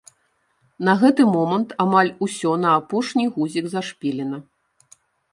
На гэты момант амаль усё на апошні гузік зашпілена?